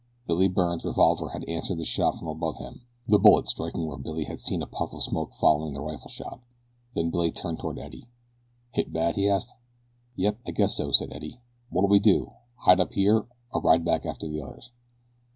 Billy Byrne's revolver had answered the shot from above them, the bullet striking where Billy had seen a puff of smoke following the rifle shot. Then Billy turned toward Eddie. "Hit bad?" he asked. "Yep, I guess so," said Eddie. "What'll we do? Hide up here, or ride back after the others?"